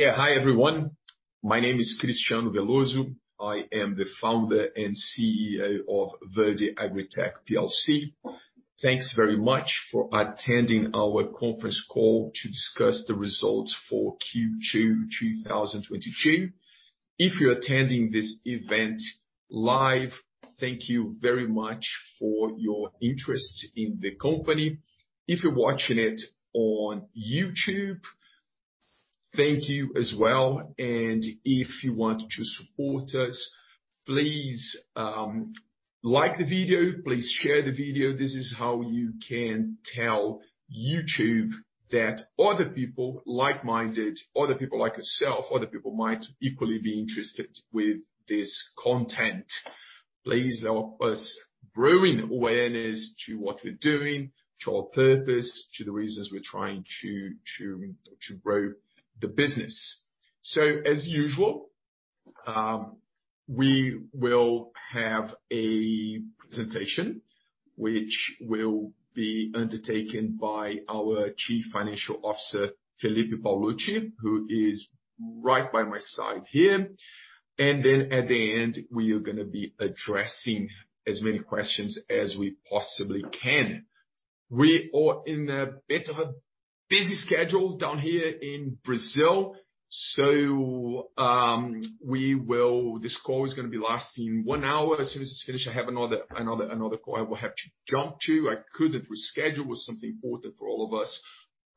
Yeah. Hi everyone. My name is Cristiano Veloso. I am the Founder and CEO of Verde AgriTech PLC. Thanks very much for attending our conference call to discuss the results for Q2 2022. If you're attending this event live, thank you very much for your interest in the company. If you're watching it on YouTube, thank you as well. If you want to support us, please, like the video, please share the video. This is how you can tell YouTube that other people like-minded, other people like yourself, other people might equally be interested with this content. Please help us growing awareness to what we're doing, to our purpose, to the reasons we're trying to grow the business. As usual, we will have a presentation which will be undertaken by our Chief Financial Officer, Felipe Paolucci, who is right by my side here. At the end, we are gonna be addressing as many questions as we possibly can. We are in a bit of a busy schedule down here in Brazil, so, This call is gonna be lasting one hour. As soon as it's finished, I have another call I will have to jump to. I couldn't reschedule. It was something important for all of us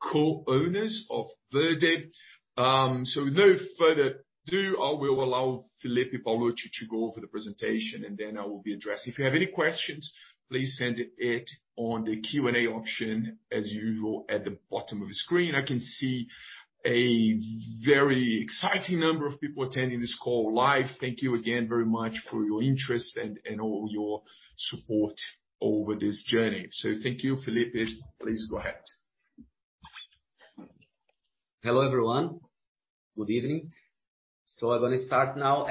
co-owners of Verde. With no further ado, I will allow Felipe Paolucci to go over the presentation, and then I will be addressing. If you have any questions, please send it on the Q&A option as usual at the bottom of the screen. I can see a very exciting number of people attending this call live. Thank you again very much for your interest and all your support over this journey. Thank you, Felipe. Please go ahead. Hello, everyone. Good evening. I'm gonna start now,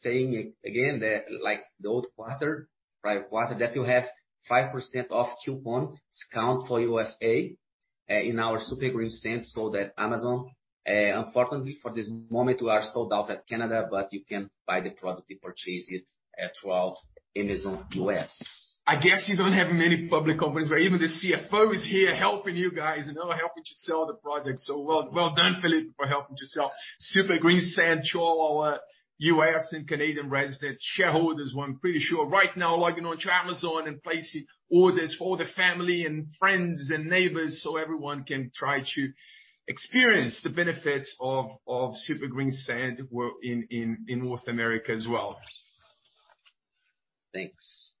saying again that like the old quarter, right quarter, that you have 5% off coupon discount for USA in our Super Greensand sold at Amazon. Unfortunately at this moment, we are sold out in Canada, but you can buy the product, you purchase it through Amazon US. I guess you don't have many public companies where even the CFO is here helping you guys, you know, helping to sell the product. Well done, Felipe, for helping to sell Super Greensand to all our U.S. and Canadian resident shareholders, who I'm pretty sure right now logging on to Amazon and placing orders for the family and friends and neighbors, so everyone can try to experience the benefits of Super Greensand we're in North America as well. Thanks.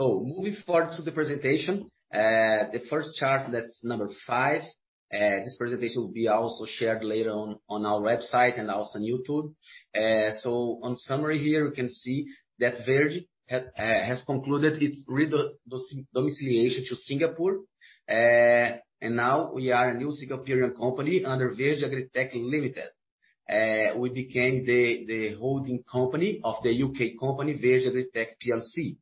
Moving forward to the presentation, the first chart, that's number five. This presentation will be also shared later on our website and also on YouTube. On summary here, we can see that Verde has concluded its redomiciliation to Singapore. Now we are a new Singaporean company under Verde AgriTech Ltd. We became the holding company of the UK company, Verde AgriTech Plc.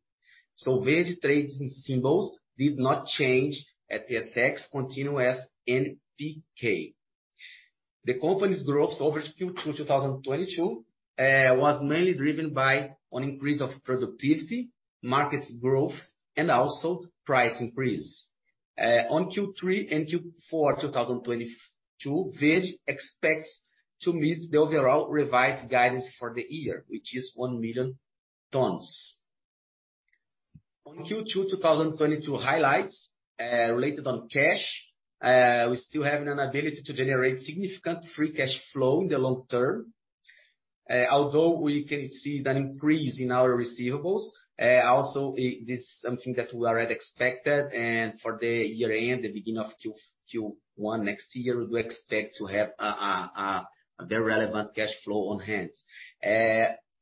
Verde trading symbols did not change at the ASX, continue as NPK. The company's growth over Q2 2022 was mainly driven by an increase of productivity, markets growth, and also price increase. On Q3 and Q4 2022, Verde expects to meet the overall revised guidance for the year, which is 1 million tons. On Q2 2022 highlights related to cash, we still have an ability to generate significant free cash flow in the long term. Although we can see an increase in our receivables, also this is something that we already expected, and for the year end, the beginning of Q1 next year, we expect to have a very relevant cash flow on hand.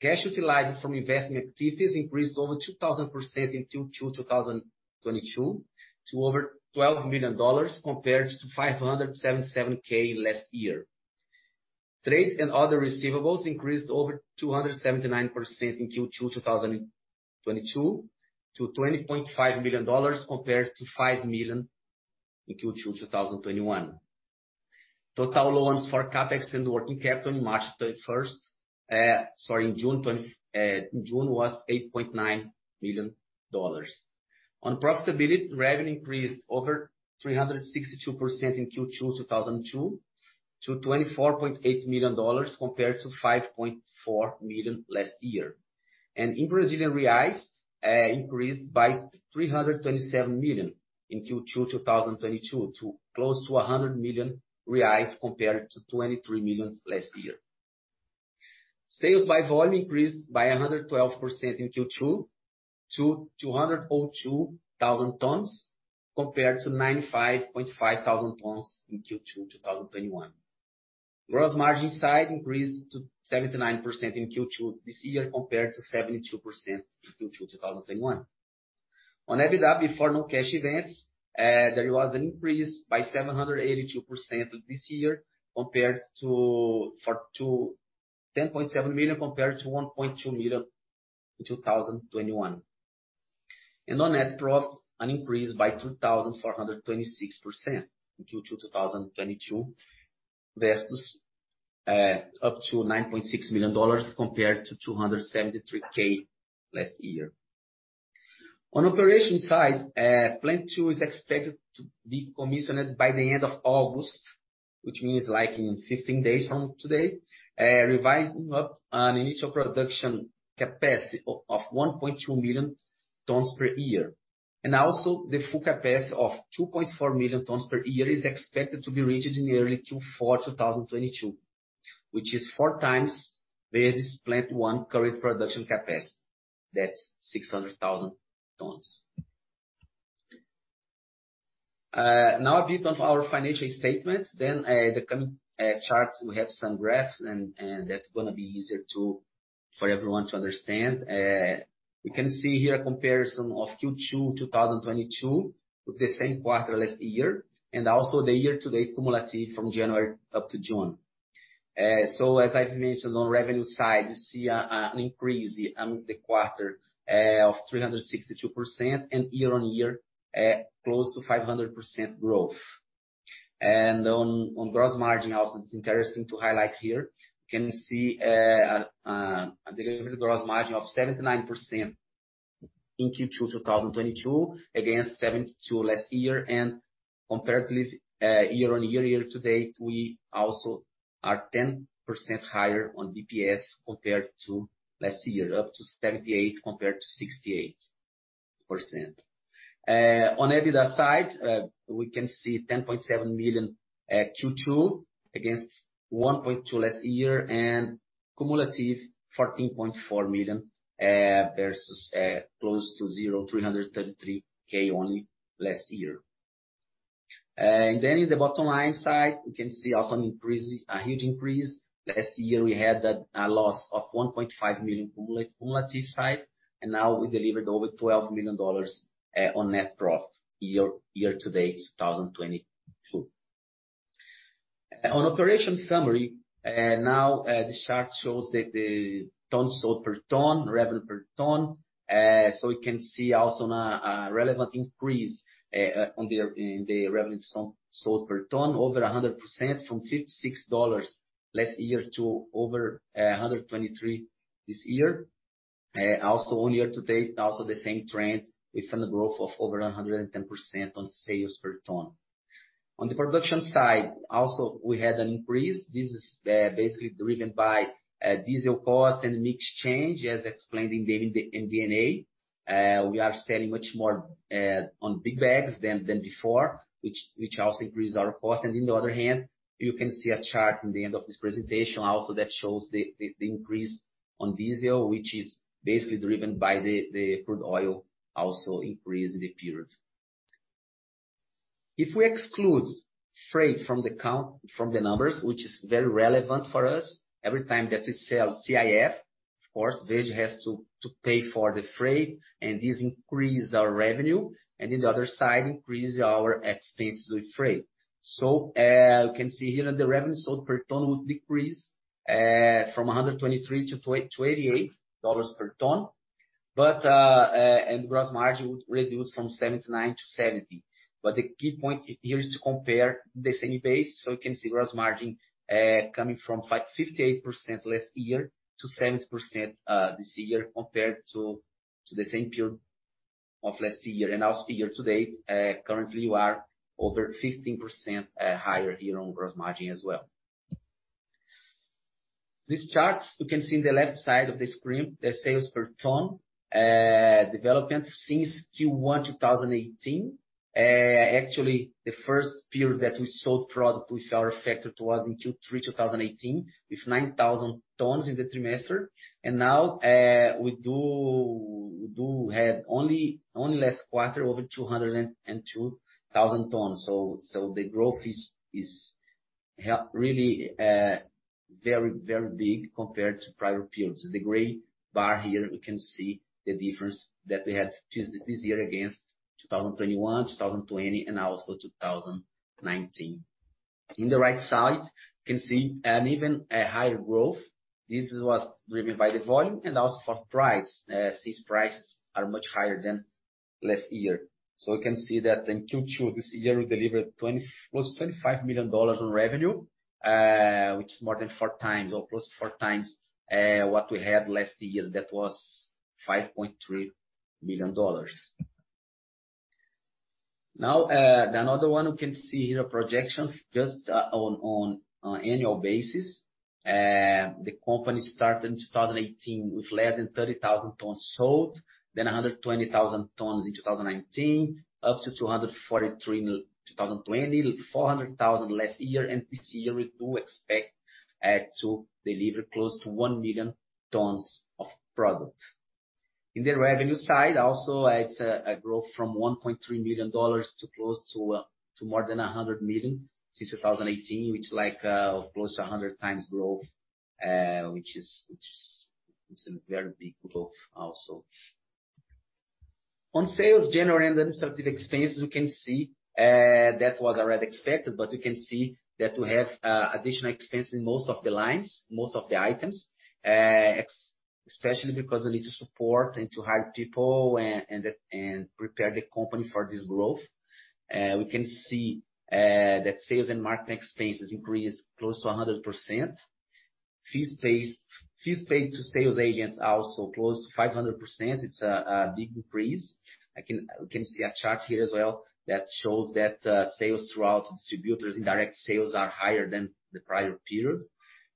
Cash utilized from investing activities increased over 2,000% in Q2 2022 to over $12 million compared to $577K last year. Trade and other receivables increased over 279% in Q2 2022 to $20.5 million compared to $5 million in Q2 2021. Total loans for CapEx and working capital in June was $8.9 million. On profitability, revenue increased over 362% in Q2 2022 to $24.8 million compared to $5.4 million last year. In Brazilian reais, increased by 327% in Q2 2022 to close to 100 million reais compared to 23 million last year. Sales by volume increased by 112% in Q2 to 202,000 tons compared to 95,500 tons in Q2 2021. Gross margin side increased to 79% in Q2 this year compared to 72% in Q2 2021. On EBITDA before non-cash events, there was an increase by 782% this year to $10.7 million compared to $1.2 million in 2021. On net profit, an increase by 2,426% in Q2 2022 versus up to $9.6 million compared to $273K last year. On operations side, Plant Two is expected to be commissioned by the end of August, which means like in 15 days from today, revising up an initial production capacity of 1.2 million tons per year. The full capacity of 2.4 million tons per year is expected to be reached in early Q4 2022, which is 4x Verde's plant one current production capacity. That's 600,000 tons. Now a bit of our financial statement, then the coming charts, we have some graphs and that's gonna be easier for everyone to understand. You can see here a comparison of Q2 2022 with the same quarter last year and also the year-to-date cumulative from January up to June. As I've mentioned on revenue side, you see an increase on the quarter of 362% and year-on-year close to 500% growth. On gross margin also, it's interesting to highlight here, you can see a delivery gross margin of 79% in Q2 2022 against 72% last year. Comparatively, year-over-year, year-to-date, we also are 10% higher on DPS compared to last year, up to 78% compared to 68%. On EBITDA side, we can see $10.7 million at Q2 against $1.2 million last year and cumulative $14.4 million versus close to zero, $333,000 only last year. In the bottom line side, we can see also an increase, a huge increase. Last year we had a loss of $1.5 million on the cumulative side, and now we delivered over $12 million on net profit year-to-date 2022. On operation summary, this chart shows the tons sold per ton, revenue per ton. We can see also on a relevant increase in the revenue per ton sold, over 100% from $56 last year to over $123 this year. Also on year-to-date, also the same trend with a growth of over 110% on sales per ton. On the production side, also we had an increase. This is basically driven by diesel cost and mix change as explained in the MD&A. We are selling much more on big bags than before, which also increases our cost. On the other hand, you can see a chart in the end of this presentation also that shows the increase on diesel, which is basically driven by the crude oil increase in the period. If we exclude freight from the numbers, which is very relevant for us, every time that we sell CIF, of course Verde has to pay for the freight and this increase our revenue, and on the other side increase our expenses with freight. You can see here that the revenue sold per ton would decrease from $123-$128 per ton, and gross margin would reduce from 79%-70%. The key point here is to compare the same base, so you can see gross margin coming from 58% last year to 70% this year, compared to the same period of last year. Also year-to-date, currently we are over 15% higher year-on-year gross margin as well. This chart you can see in the left side of the screen, the sales per ton development since Q1 2018. Actually the first period that we sold product with our factory was in Q3 2018 with 9,000 tons in the quarter. Now, we have only last quarter over 202,000 tons. The growth is really very big compared to prior periods. The gray bar here, we can see the difference that we had this year against 2021, 2020 and also 2019. In the right side, you can see an even higher growth. This was driven by the volume and also by price, since prices are much higher than last year. We can see that in Q2 this year, we delivered close to $25 million on revenue, which is more than four times or plus four times what we had last year. That was $5.3 million. Now, another one we can see here projections just on annual basis. The company started in 2018 with less than 30,000 tons sold, then 120,000 tons in 2019, up to 243,000 in 2020, 400,000 last year. This year, we do expect to deliver close to 1 million tons of product. In the revenue side also, it's a growth from $1.3 million to more than $100 million since 2018, which is like close to 100x growth, it's a very big growth also. On sales, general and administrative expenses, you can see that was already expected, but you can see that we have additional expense in most of the lines, most of the items. Especially because they need to support and to hire people and prepare the company for this growth. We can see that sales and marketing expenses increased close to 100%. Fees paid to sales agents are also close to 500%. It's a big increase. I can. We can see a chart here as well that shows that, sales through distributors, indirect sales are higher than the prior period.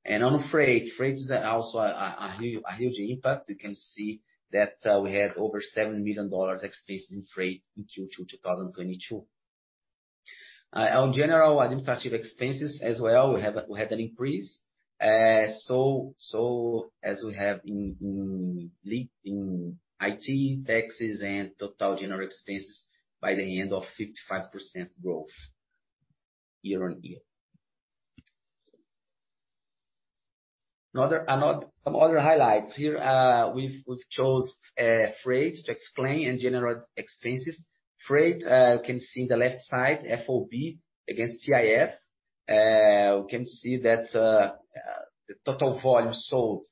On freight is also a huge impact. You can see that, we have over $7 million expenses in freight in Q2 2022. Our general administrative expenses as well, we had an increase. As we have in IT, taxes, and total general expenses by the end of 55% growth year-on-year. Some other highlights here. We've chosen freight to explain engineering expenses. Freight, you can see in the left side FOB against CIF. We can see that the total volume sold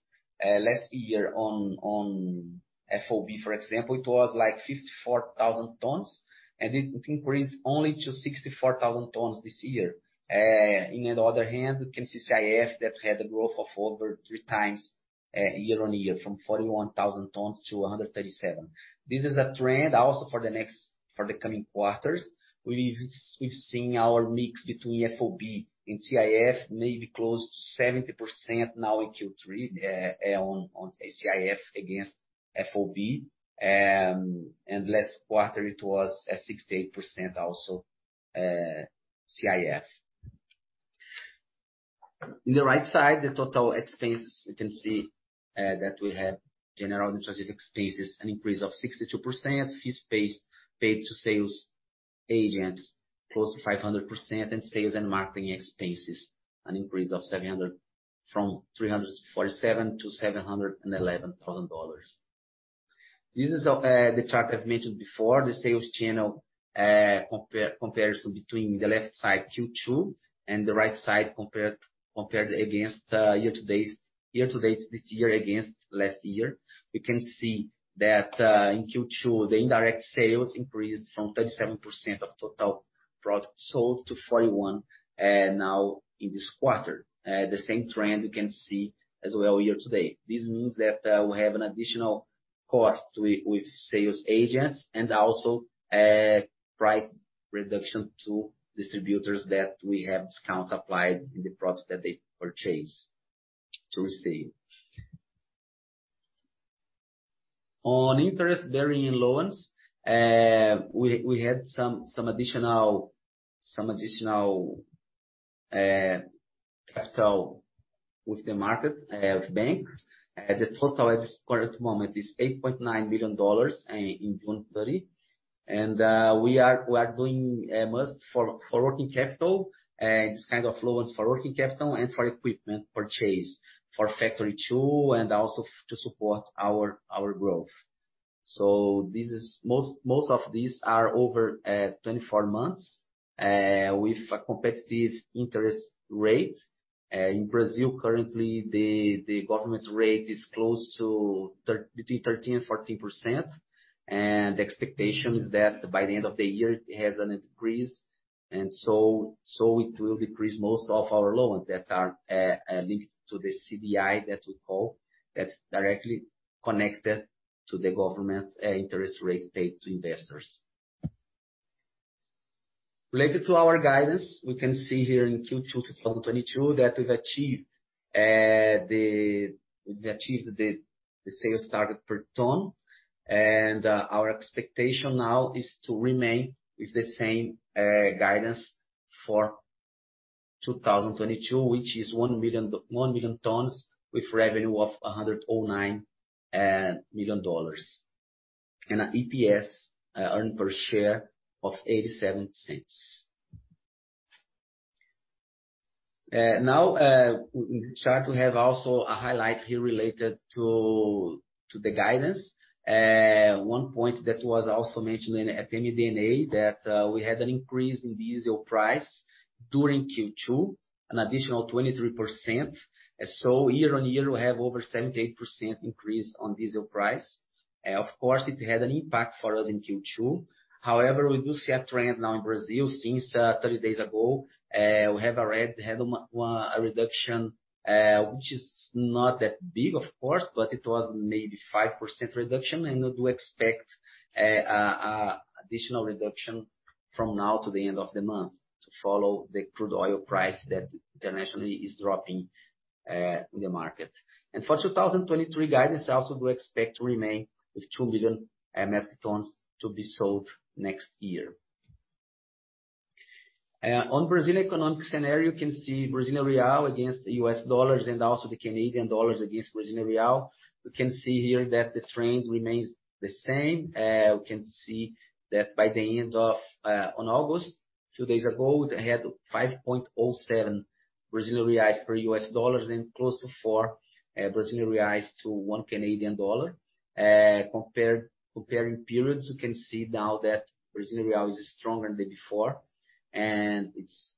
last year on FOB, for example, it was like 54,000 tons, and it increased only to 64,000 tons this year. On the other hand, we can see CIF that had a growth of over three times year-on-year from 41,000 tons to 137,000 tons. This is a trend also for the coming quarters. We've seen our mix between FOB and CIF maybe close to 70% now in Q3 on CIF against FOB. Last quarter it was at 68% also CIF. In the right side, the total expenses, you can see that we have general administrative expenses, an increase of 62%. Fees paid to sales agents, close to 500%. In sales and marketing expenses, an increase of $700,000, from $347,000-$711,000. This is the chart I've mentioned before. The sales channel comparison between the left side Q2 and the right side compared against year to date this year against last year. We can see that in Q2, the indirect sales increased from 37% of total products sold to 41% now in this quarter. The same trend you can see as well year to date. This means that we have an additional cost with sales agents and also price reduction to distributors that we have discounts applied in the products that they purchase to receive. On interest-bearing loans, we had some additional capital with the market bank. The total at this current moment is $8.9 billion in 2030. We are doing our most for working capital and this kind of loans for working capital and for equipment purchase for factory two and also to support our growth. Most of these are over 24 months with a competitive interest rate. In Brazil currently, the government rate is close to between 13%-14%. The expectation is that by the end of the year, it has an increase. It will decrease most of our loans that are linked to the CDI, that we call, that's directly connected to the government interest rate paid to investors. Related to our guidance, we can see here in Q2 2022 that we've achieved the sales target per ton. Our expectation now is to remain with the same guidance for 2022, which is 1 million tons with revenue of $109 million and an EPS, earnings per share of $0.87. Now, we start to have also a highlight here related to the guidance. One point that was also mentioned at MD&A that we had an increase in diesel price during Q2, an additional 23%. Year-on-year, we have over 78% increase on diesel price. Of course, it had an impact for us in Q2. However, we do see a trend now in Brazil since 30 days ago. We have a reduction, which is not that big, of course, but it was maybe 5% reduction. We do expect a additional reduction from now to the end of the month to follow the crude oil price that internationally is dropping in the market. For 2023 guidance, also we expect to remain with 2 million MT tons to be sold next year. On Brazil economic scenario, you can see Brazilian real against the US dollars and also the Canadian dollars against Brazilian real. We can see here that the trend remains the same. We can see that by the end of on August, few days ago, they had 5.07 Brazilian reais per US dollars and close to 4 Brazilian reais to one Canadian dollar. Comparing periods, we can see now that Brazilian real is stronger than before, and it's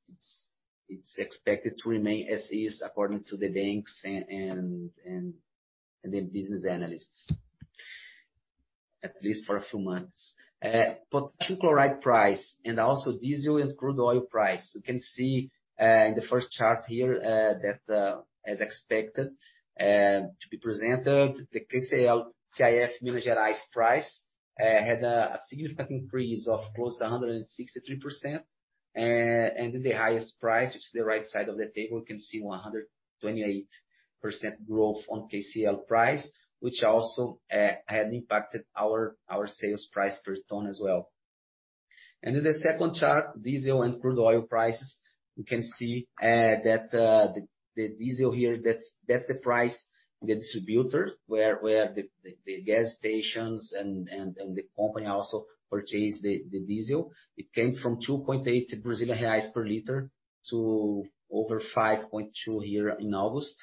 expected to remain as is according to the banks and the business analysts, at least for a few months. Potassium chloride price and also diesel and crude oil price. You can see in the first chart here that, as expected to be presented, the KCL CIF Minas Gerais price had a significant increase of close to 163%. The highest price, which is the right side of the table, you can see 128% growth on KCL price, which also had impacted our sales price per ton as well. In the second chart, diesel and crude oil prices, you can see that the diesel here, that's the price the distributors where the gas stations and the company also purchase the diesel. It came from 2.8 Brazilian reais per liter to over 5.2 here in August.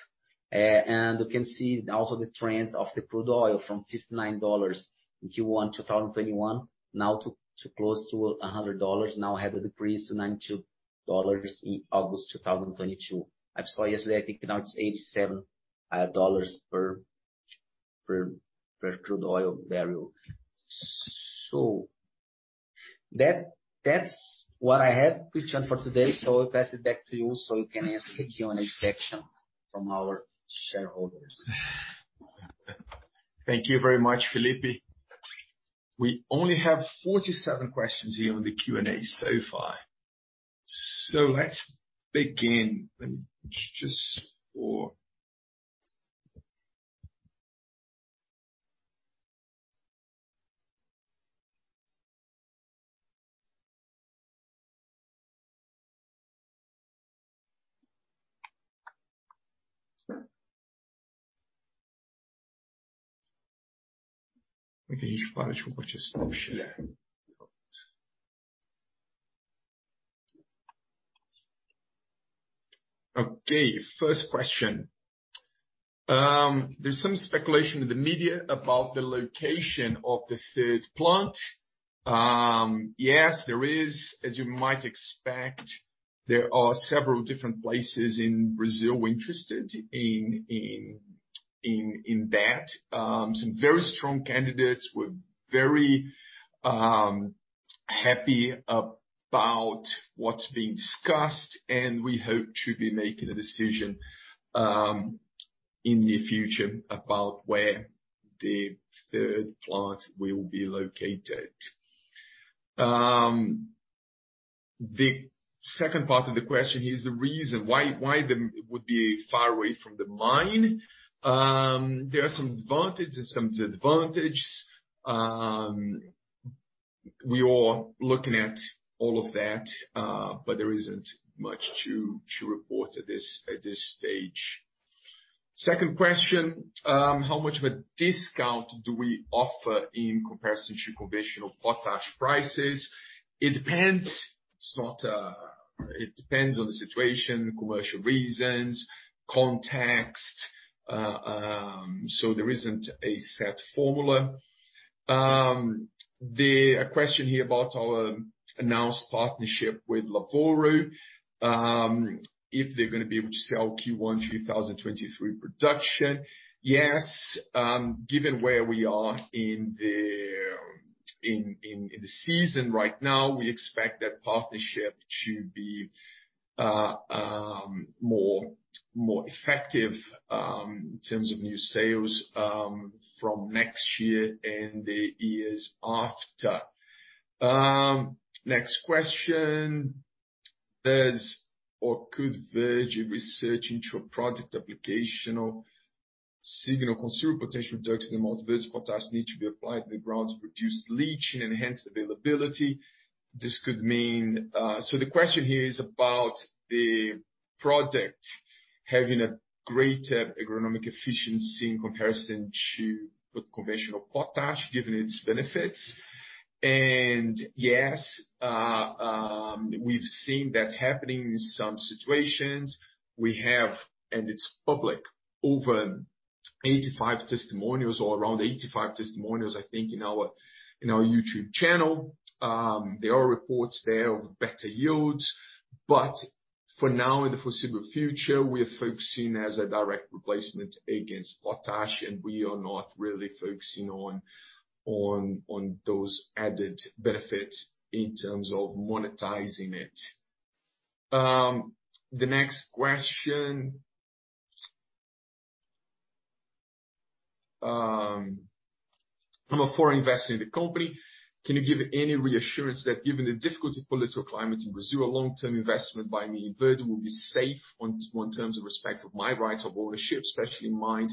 You can see also the trend of the crude oil from $59 in Q1 2021, now to close to $100. Now had a decrease to $92 in August 2022. I saw yesterday, I think now it's $87 per crude oil barrel. That's what I have, Cristiano, for today. I'll pass it back to you, so you can ask the Q&A section from our shareholders. Thank you very much, Felipe. We only have 47 questions here on the Q&A so far. Let's begin. First question. There's some speculation in the media about the location of the third plant. Yes, there is. As you might expect, there are several different places in Brazil we're interested in that. Some very strong candidates. We're very happy about what's being discussed, and we hope to be making a decision in the future about where the third plant will be located. The second part of the question is the reason why it would be far away from the mine. There are some advantages, some disadvantages. We are looking at all of that, but there isn't much to report at this stage. Second question, how much of a discount do we offer in comparison to conventional potash prices? It depends. It's not. It depends on the situation, commercial reasons, context. So there isn't a set formula. A question here about our announced partnership with LAVORO, if they're gonna be able to sell Q1 2023 production. Yes, given where we are in the season right now, we expect that partnership to be more effective in terms of new sales from next year and the years after. Next question, does or could Verde research into a product application of single consumer potential due to the multinutrient potash need to be applied in the ground to reduce leaching and enhance availability? This could mean. The question here is about the product having a greater agronomic efficiency in comparison to with conventional potash, given its benefits. Yes, we've seen that happening in some situations. We have, and it's public, over 85 testimonials or around 85 testimonials, I think, in our YouTube channel. There are reports there of better yields, but for now and the foreseeable future, we're focusing as a direct replacement against potash, and we are not really focusing on those added benefits in terms of monetizing it. The next question. I'm a foreign investor in the company. Can you give any reassurance that given the difficult political climate in Brazil, long-term investment by me in Verde will be safe on terms of respect for my rights of ownership, especially in mind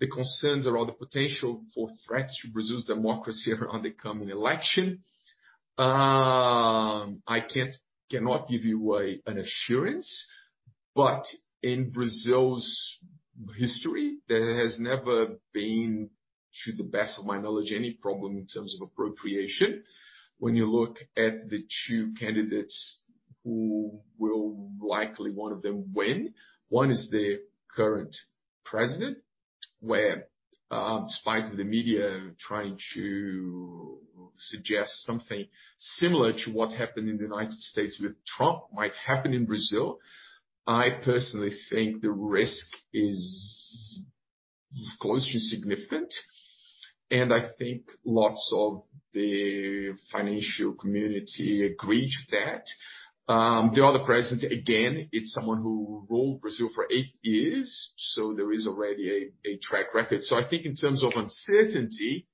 the concerns around the potential for threats to Brazil's democracy around the coming election? I cannot give you an assurance, but in Brazil's history, there has never been, to the best of my knowledge, any problem in terms of appropriation. When you look at the two candidates who will likely one of them win, one is the current president, in spite of the media trying to suggest something similar to what happened in the United States with Trump might happen in Brazil. I personally think the risk is not significant, and I think lots of the financial community agree to that. The other president, again, it's someone who ruled Brazil for eight years, so there is already a track record. I think in terms of uncertainty,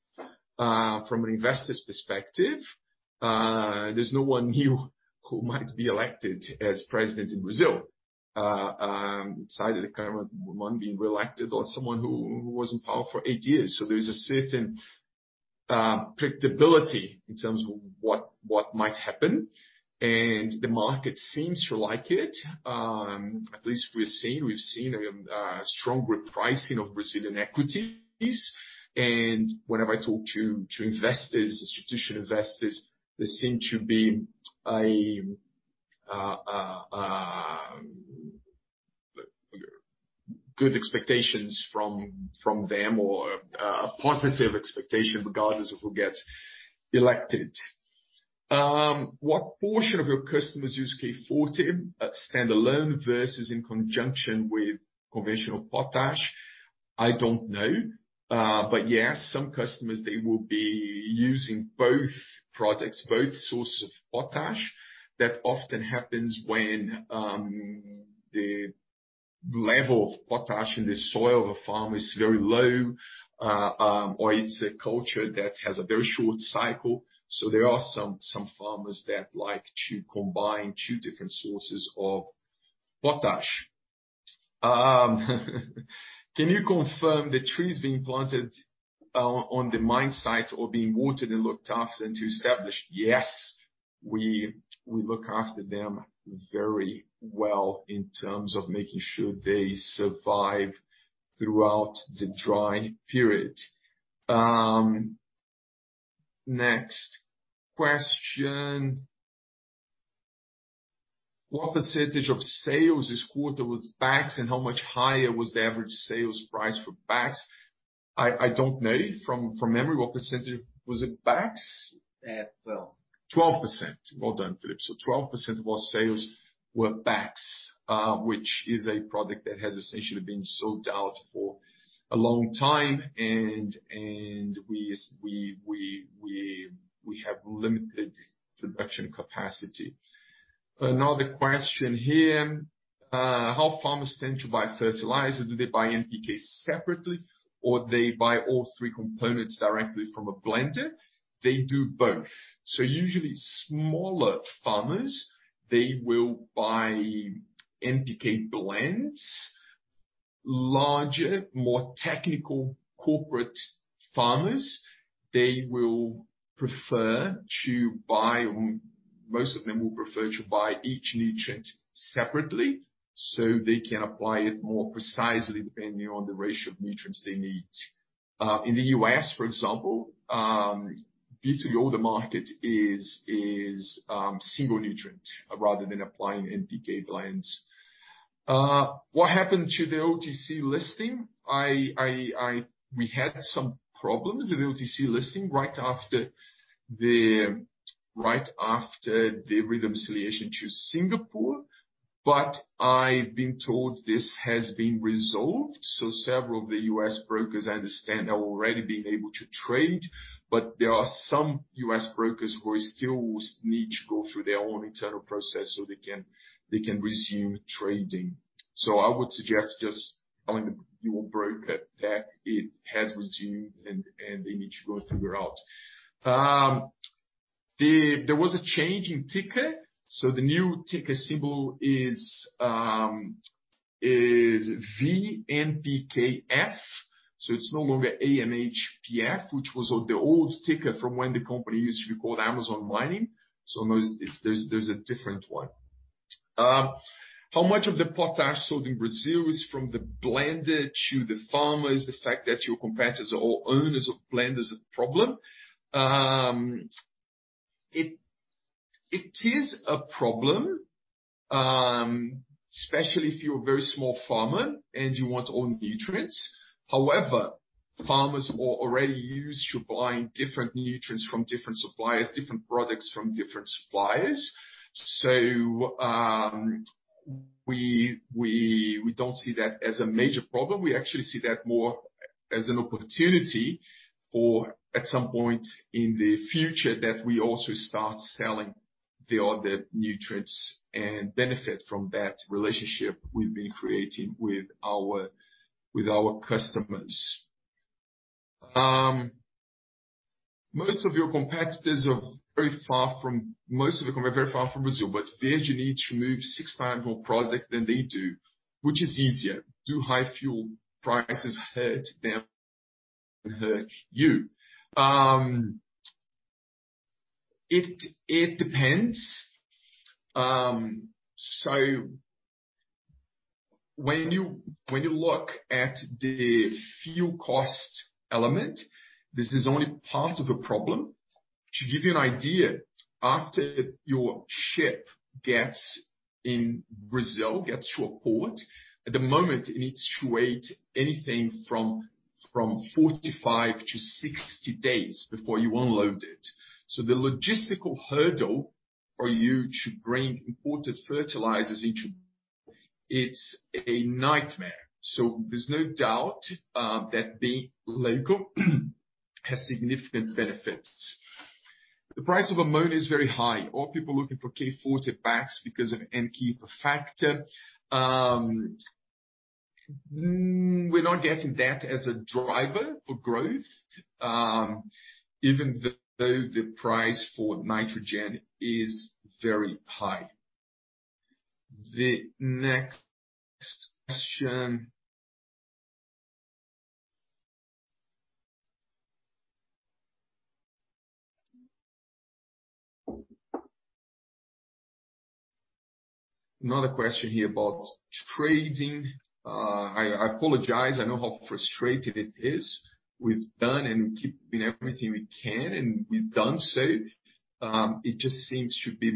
from an investor's perspective, there's no one new who might be elected as president in Brazil, aside from the current one being reelected or someone who was in power for eight years. There is a certain predictability in terms of what might happen, and the market seems to like it. At least we've seen a strong repricing of Brazilian equities. Whenever I talk to investors, institutional investors, there seem to be good expectations from them or a positive expectation regardless of who gets elected. What portion of your customers use K-Forte at standalone versus in conjunction with conventional potash? I don't know. Yes, some customers, they will be using both products, both sources of potash. That often happens when the level of potash in the soil of a farm is very low, or it's a culture that has a very short cycle. There are some farmers that like to combine two different sources of potash. Can you confirm the trees being planted on the mine site or being watered and looked after until established? Yes, we look after them very well in terms of making sure they survive throughout the dry period. Next question. What percentage of sales this quarter was BAKS, and how much higher was the average sales price for BAKS? I don't know. From memory, what percentage... Was it BAKS? 12%. 12%. Well done, Felipe. 12% of our sales were BAKS, which is a product that has essentially been sold out for a long time and we have limited production capacity. Another question here, how farmers tend to buy fertilizers. Do they buy NPK separately, or they buy all three components directly from a blender? They do both. Usually smaller farmers, they will buy NPK blends. Larger, more technical corporate farmers, most of them will prefer to buy each nutrient separately, so they can apply it more precisely depending on the ratio of nutrients they need. In the U.S., for example, virtually all the market is single nutrient rather than applying NPK blends. What happened to the OTC listing? We had some problems with OTC listing right after the reconciliation to Singapore, but I've been told this has been resolved. Several of the U.S. brokers I understand have already been able to trade, but there are some U.S. brokers who still need to go through their own internal process so they can resume trading. I would suggest just telling your broker that it has resumed and they need to go through it out. There was a change in ticker. The new ticker symbol is VNPKF, so it's no longer AMHPF, which was of the old ticker from when the company used to be called Amazon Mining. There's a different one. How much of the potash sold in Brazil is from the blender to the farmers? The fact that your competitors are all owners of blends a problem? It is a problem, especially if you're a very small farmer and you want all nutrients. However, farmers are already used to buying different nutrients from different suppliers, different products from different suppliers. We don't see that as a major problem. We actually see that more as an opportunity for, at some point in the future, that we also start selling the other nutrients and benefit from that relationship we've been creating with our customers. Most of the competitors are very far from Brazil, but there you need to move six times more product than they do. Which is easier? Do high fuel prices hurt them, hurt you? It depends. When you look at the fuel cost element, this is only part of the problem. To give you an idea, after your ship gets to a port in Brazil, at the moment it needs to wait anything from 45-60 days before you unload it. The logistical hurdle for you to bring imported fertilizers into Brazil. It's a nightmare. There's no doubt that being local has significant benefits. The price of ammonia is very high. All people looking for KCl bags because of N/P factor. We're not getting that as a driver for growth, even though the price for nitrogen is very high. The next question. Another question here about trading. I apologize. I know how frustrating it is. We've done and keeping everything we can, and we've done so. It just seems to be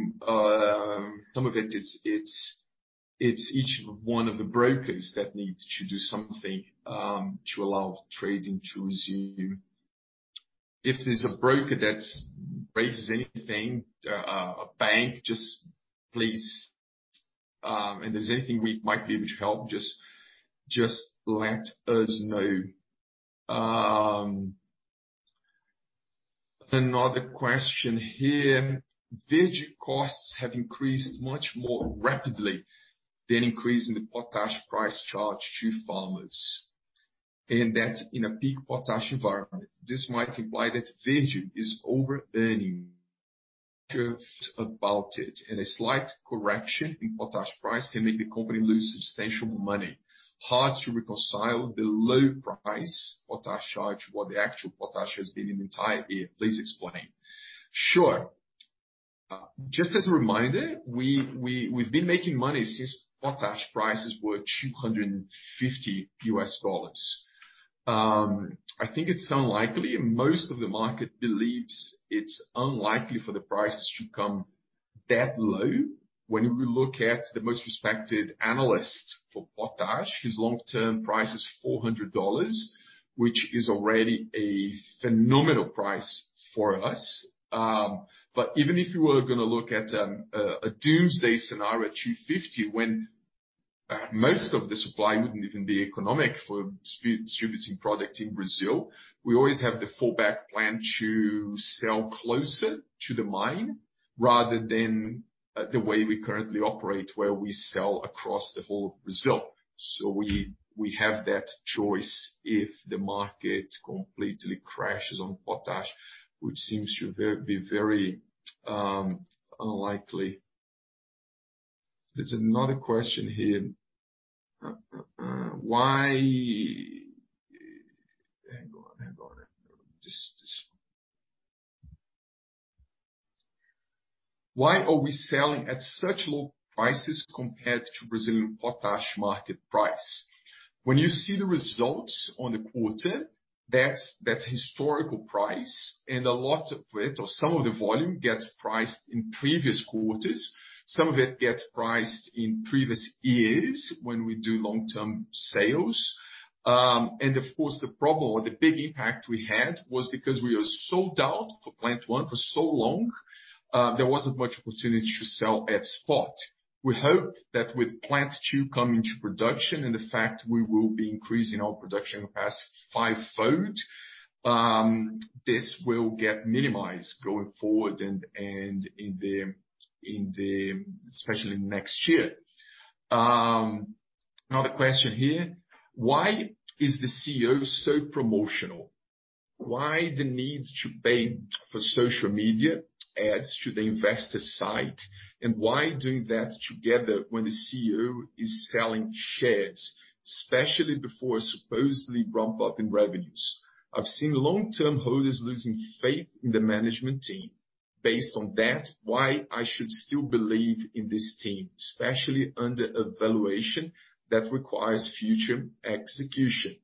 each one of the brokers that needs to do something to allow trading to resume. If there's a broker that's raising anything or a bank, just please, and if there's anything we might be able to help, just let us know. Another question here. Verde costs have increased much more rapidly than increase in the potash price charged to farmers, and that's in a peak potash environment. This might imply that Verde is over earning. The truth about it, and a slight correction in potash price can make the company lose substantial money. Hard to reconcile the low price potash charge what the actual potash has been in the entire year. Please explain. Sure. Just as a reminder, we've been making money since potash prices were $250. I think it's unlikely, and most of the market believes it's unlikely for the prices to come that low. When we look at the most respected analyst for potash, his long-term price is $400, which is already a phenomenal price for us. Even if you were gonna look at a doomsday scenario at $250, when most of the supply wouldn't even be economic for distributing product in Brazil, we always have the fallback plan to sell closer to the mine rather than the way we currently operate, where we sell across the whole of Brazil. We have that choice if the market completely crashes on potash, which seems to be very unlikely. There's another question here. Hang on. Why are we selling at such low prices compared to Brazilian potash market price? When you see the results on the quarter, that's historical price, and a lot of it or some of the volume gets priced in previous quarters. Some of it gets priced in previous years when we do long-term sales. Of course, the problem or the big impact we had was because we were sold out for plant one for so long, there wasn't much opportunity to sell at spot. We hope that with Plant Two come into production and the fact we will be increasing our production capacity five-fold, this will get minimized going forward and especially next year. Another question here. Why is the CEO so promotional? Why the need to pay for social media ads to the investor site? Why doing that together when the CEO is selling shares, especially before supposedly ramp up in revenues? I've seen long-term holders losing faith in the management team. Based on that, why I should still believe in this team, especially under a valuation that requires future execution?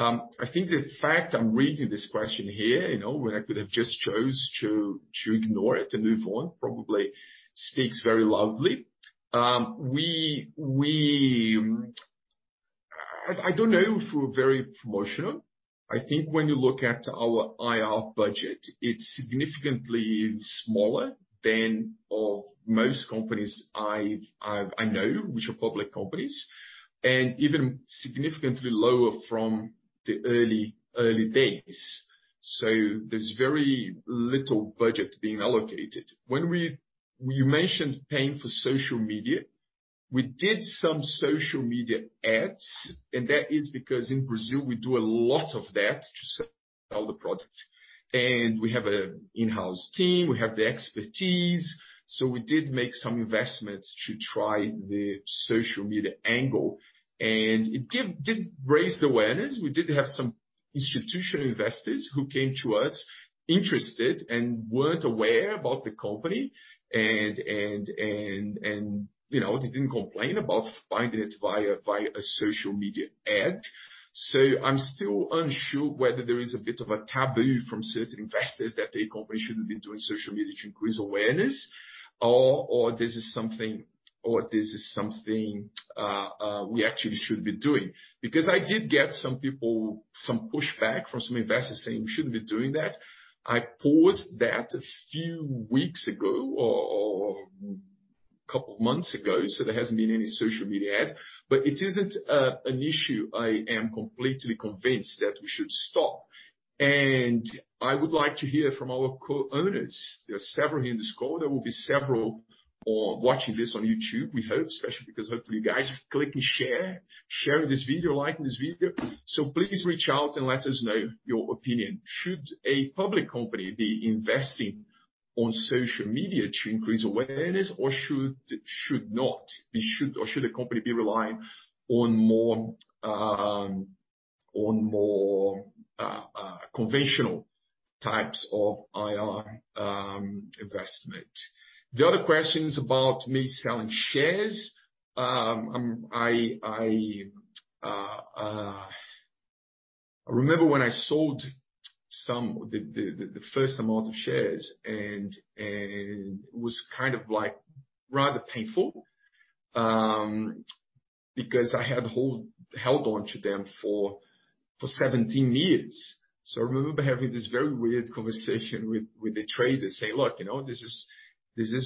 I think the fact I'm reading this question here, you know, when I could have just chose to ignore it and move on, probably speaks very loudly. I don't know if we're very promotional. I think when you look at our IR budget, it's significantly smaller than of most companies I've I know which are public companies, and even significantly lower from the early days. There's very little budget being allocated. You mentioned paying for social media. We did some social media ads, and that is because in Brazil, we do a lot of that to sell the products. We have an in-house team, we have the expertise. We did make some investments to try the social media angle, and it did raise the awareness. We did have some institutional investors who came to us interested and weren't aware about the company, you know, they didn't complain about finding it via a social media ad. I'm still unsure whether there is a bit of a taboo from certain investors that a company shouldn't be doing social media to increase awareness or this is something we actually should be doing. Because I did get some pushback from some investors saying we shouldn't be doing that. I paused that a few weeks ago or a couple of months ago, so there hasn't been any social media ad. It isn't an issue I am completely convinced that we should stop. I would like to hear from our co-owners. There are several here in this call. There will be several watching this on YouTube, we hope, especially because hopefully you guys click and share, sharing this video, liking this video. Please reach out and let us know your opinion. Should a public company be investing on social media to increase awareness or should not? Or should the company be relying on more conventional types of IR investment? The other question is about me selling shares. I remember when I sold the first amount of shares, and it was kind of like rather painful, because I had held onto them for 17 years. I remember having this very weird conversation with the trader saying, "Look, you know, this is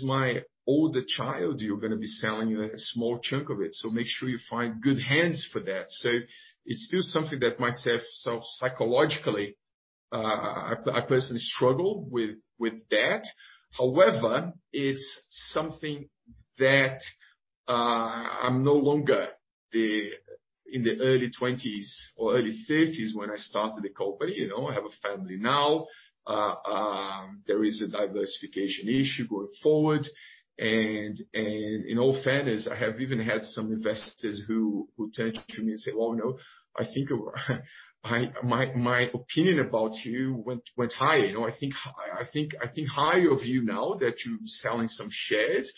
my older child you're gonna be selling a small chunk of it, so make sure you find good hands for that." It's still something that myself psychologically I personally struggle with that. However, it's something that I'm no longer in the early twenties or early thirties when I started the company. You know, I have a family now. There is a diversification issue going forward. In all fairness, I have even had some investors who turn to me and say, "Well, you know, I think my opinion about you went higher. You know, I think higher of you now that you're selling some shares,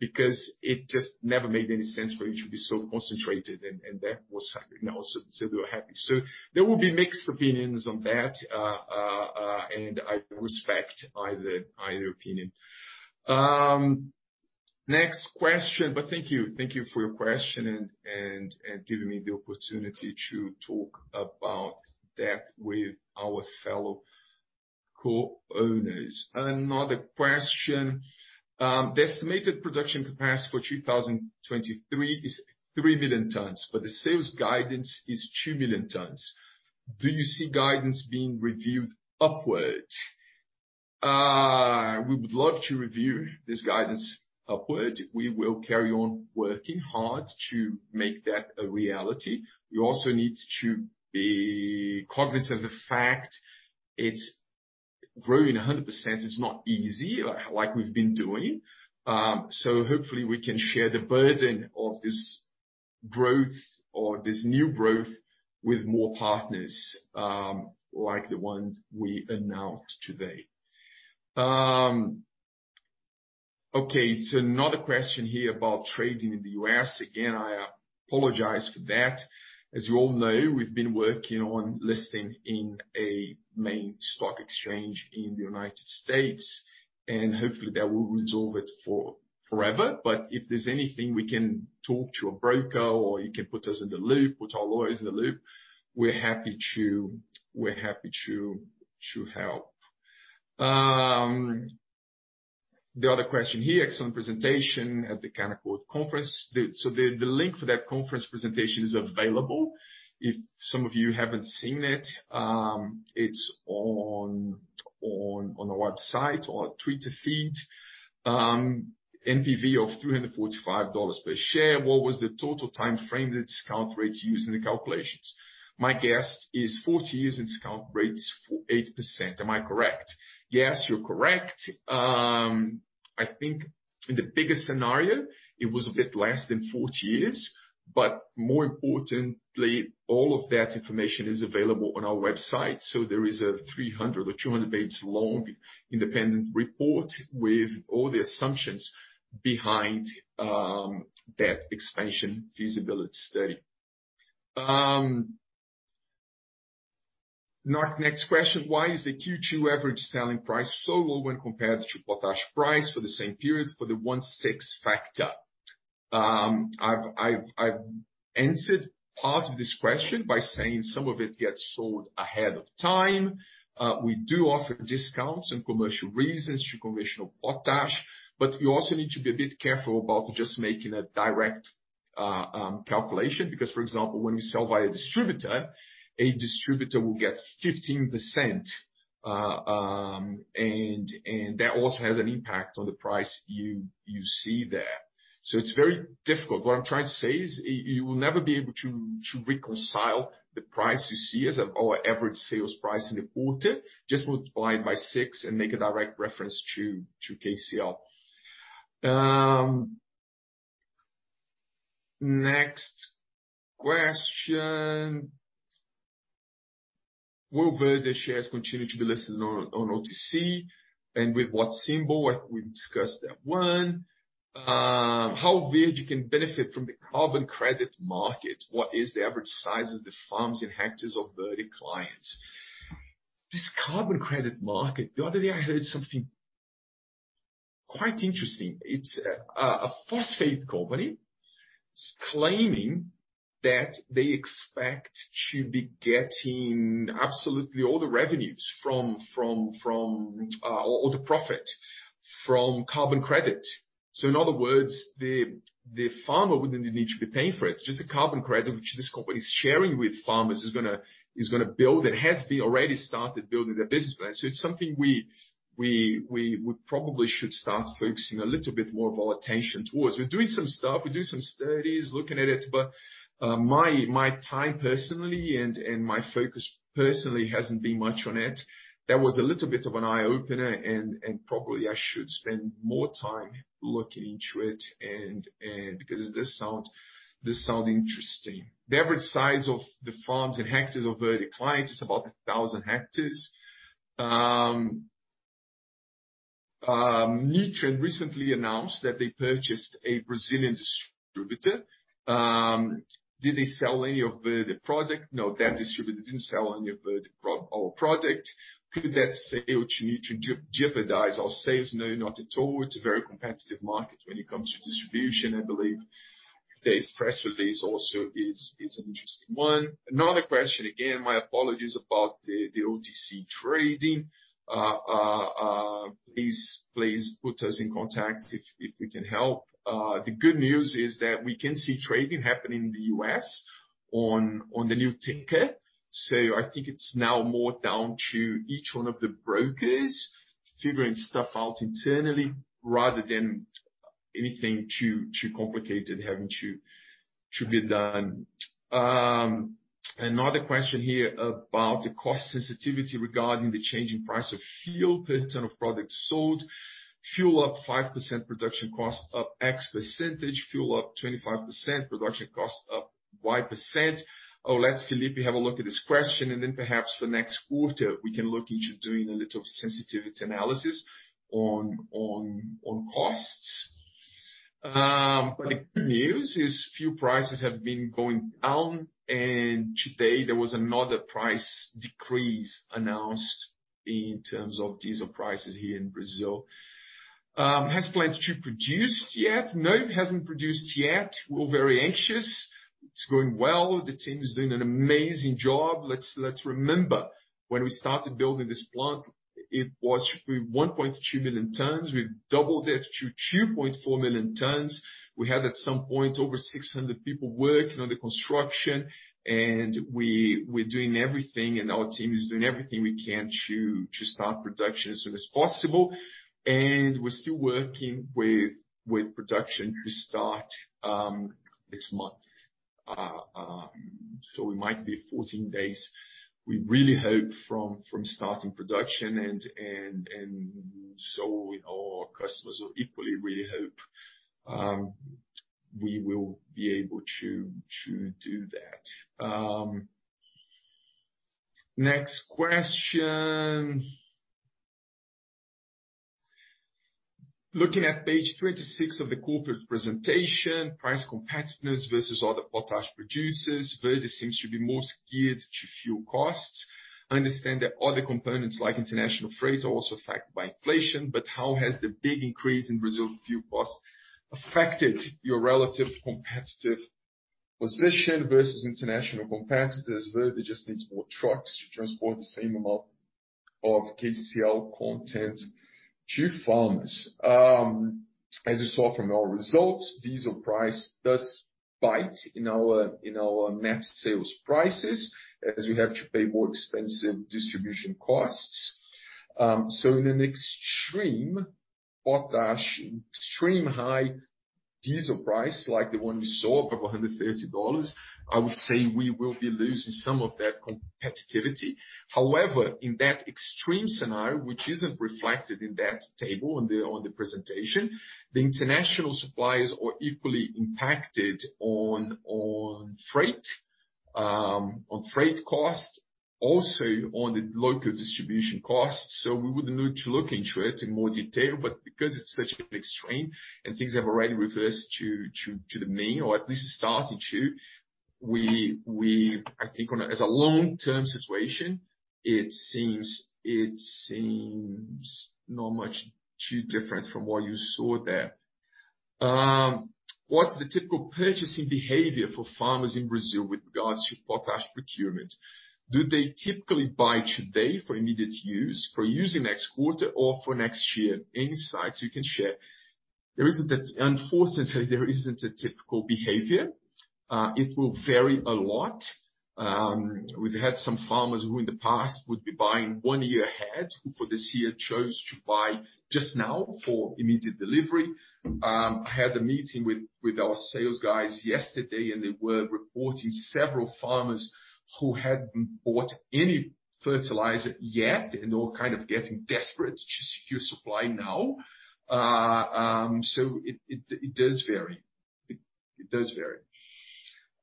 because it just never made any sense for you to be so concentrated." that was, you know, so they were happy. There will be mixed opinions on that, and I respect either opinion. Next question. Thank you for your question and giving me the opportunity to talk about that with our fellow co-owners. Another question. The estimated production capacity for 2023 is 3 million tons, but the sales guidance is 2 million tons. Do you see guidance being reviewed upwards? We would love to review this guidance upward. We will carry on working hard to make that a reality. We also need to be cognizant of the fact it's growing 100%, it's not easy like we've been doing. Hopefully we can share the burden of this growth or this new growth with more partners, like the ones we announced today. Okay, another question here about trading in the U.S. Again, I apologize for that. As you all know, we've been working on listing in a main stock exchange in the United States, and hopefully that will resolve it for forever. If there's anything we can talk to a broker or you can put us in the loop, put our lawyers in the loop, we're happy to help. The other question here. Excellent presentation at the Canaccord Genuity Conference. The link for that conference presentation is available. If some of you haven't seen it's on our website or Twitter feed. NPV of $345 per share. What was the total timeframe, the discount rate used in the calculations? My guess is 40 years and discount rate, 4%-8%. Am I correct? Yes, you're correct. I think in the biggest scenario, it was a bit less than 40 years. More importantly, all of that information is available on our website. There is a 300 or 200-page-long independent report with all the assumptions behind that expansion feasibility study. Next question. Why is the Q2 average selling price so low when compared to potash price for the same period for the one-sixth factor? I've answered part of this question by saying some of it gets sold ahead of time. We do offer discounts and commercial reasons to commercial potash, but we also need to be a bit careful about just making a direct calculation, because, for example, when you sell via distributor, a distributor will get 15%, and that also has an impact on the price you see there. It's very difficult. What I'm trying to say is you will never be able to reconcile the price you see as our average sales price in the quarter. Just multiply it by six and make a direct reference to KCL. Next question. Will Verde shares continue to be listed on OTC, and with what symbol? We discussed that one. How Verde can benefit from the carbon credit market? What is the average size of the farms in hectares of Verde clients? This carbon credit market, the other day I heard something quite interesting. It's a phosphate company is claiming that they expect to be getting absolutely all the revenues from all the profit from carbon credit. So in other words, the farmer wouldn't need to be paying for it. Just the carbon credit, which this company is sharing with farmers, is gonna build it. It has been already started building their business plan. So it's something we probably should start focusing a little bit more of all attention towards. We're doing some stuff. We do some studies, looking at it, but my time personally, and my focus personally hasn't been much on it. That was a little bit of an eye-opener and probably I should spend more time looking into it and because it does sound interesting. The average size of the farms and hectares of Verde clients is about 1,000 hectares. Nutrien recently announced that they purchased a Brazilian distributor. Did they sell any of Verde product? No, that distributor didn't sell any of Verde product. Could that sale to Nutrien jeopardize our sales? No, not at all. It's a very competitive market when it comes to distribution. I believe today's press release also is an interesting one. Another question, again, my apologies about the OTC trading. Please put us in contact if we can help. The good news is that we can see trading happening in the U.S. on the new ticker. I think it's now more down to each one of the brokers figuring stuff out internally rather than anything too complicated having to be done. Another question here about the cost sensitivity regarding the changing price of fuel per ton of product sold. Fuel up 5%, production cost up X%. Fuel up 25%, production cost up Y%. I'll let Felipe have a look at this question, and then perhaps the next quarter we can look into doing a little sensitivity analysis on costs. The good news is fuel prices have been going down, and today there was another price decrease announced in terms of diesel prices here in Brazil. Has Plant Two produced yet? No, it hasn't produced yet. We're all very anxious. It's going well. The team is doing an amazing job. Let's remember, when we started building this plant, it was to be 1.2 million tons. We've doubled it to 2.4 million tons. We had at some point over 600 people working on the construction, and we're doing everything and our team is doing everything we can to start production as soon as possible. We're still working with production to start next month. We might be 14 days. We really hope from starting production and so we know our customers will equally really hope we will be able to do that. Next question. Looking at page 26 of the corporate presentation, price competitiveness versus other potash producers, Verde seems to be more geared to fuel costs. I understand that other components like international freight are also affected by inflation, but how has the big increase in Brazil fuel costs affected your relative competitive position versus international competitors? Verde just needs more trucks to transport the same amount of KCl content to farms. As you saw from our results, diesel price does bite in our net sales prices as we have to pay more expensive distribution costs. In an extreme potash extreme high diesel price like the one we saw above $130, I would say we will be losing some of that competitiveness. However, in that extreme scenario, which isn't reflected in that table on the presentation, the international suppliers are equally impacted on freight costs, also on the local distribution costs. We would need to look into it in more detail, but because it's such an extreme and things have already reversed to the mean, or at least starting to, I think as a long-term situation, it seems not much different from what you saw there. What's the typical purchasing behavior for farmers in Brazil with regards to potash procurement? Do they typically buy today for immediate use or using next quarter or for next year? Any insights you can share? Unfortunately, there isn't a typical behavior. It will vary a lot. We've had some farmers who in the past would be buying one year ahead, who for this year chose to buy just now for immediate delivery. I had a meeting with our sales guys yesterday, and they were reporting several farmers who hadn't bought any fertilizer yet and all kind of getting desperate to secure supply now. So it does vary.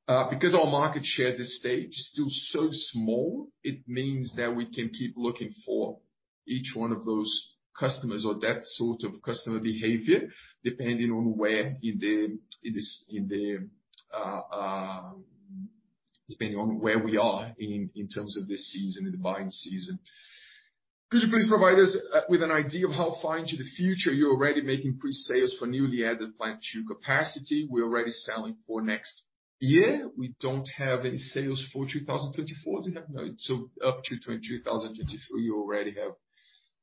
Because our market share at this stage is still so small, it means that we can keep looking for each one of those customers or that sort of customer behavior, depending on where we are in terms of the season, the buying season. Could you please provide us with an idea of how far into the future you're already making pre-sales for newly added Plant Two capacity? We're already selling for next year. We don't have any sales for 2024. Do we have? No. So up to 2024,